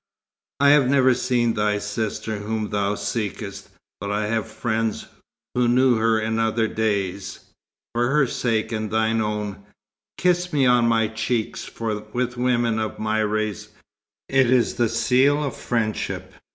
I have never seen thy sister whom thou seekest, but I have friends, who knew her in other days. For her sake and thine own, kiss me on my cheeks, for with women of my race, it is the seal of friendship."